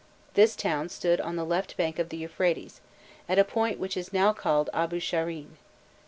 This town stood on the left bank of the Euphrates, at a point which is now called Abu Shahrein.